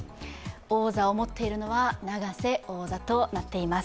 王座を持っているのは永瀬王座となっています。